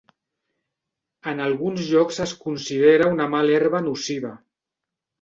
En alguns llocs es considera una mala herba nociva.